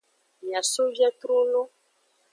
Mia so vie trolo.